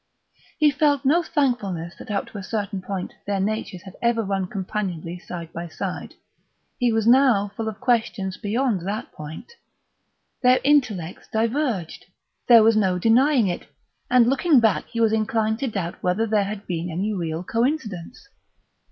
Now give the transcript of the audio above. He felt no thankfulness that up to a certain point their natures had ever run companionably side by side; he was now full of questions beyond that point. Their intellects diverged; there was no denying it; and, looking back, he was inclined to doubt whether there had been any real coincidence.